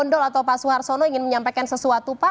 dan saat kita mauiences